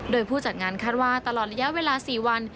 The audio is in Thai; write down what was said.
โดยผู้จัดงานคาดว่าตลอดระยะเวลา๔วัน